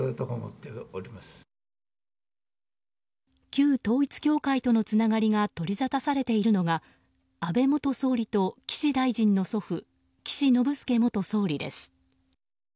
旧統一教会とのつながりが取りざたされているのが安倍元総理と岸大臣の祖父岸信介元総理です。